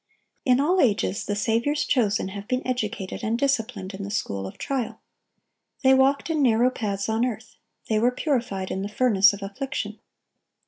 (1126) In all ages the Saviour's chosen have been educated and disciplined in the school of trial. They walked in narrow paths on earth; they were purified in the furnace of affliction.